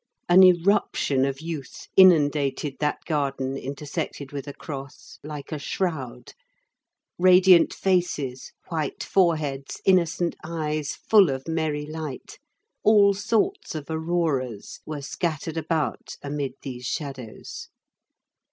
An irruption of youth inundated that garden intersected with a cross like a shroud. Radiant faces, white foreheads, innocent eyes, full of merry light, all sorts of auroras, were scattered about amid these shadows.